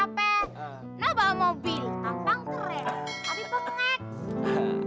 sampai nabang mobil gampang keren tapi pengek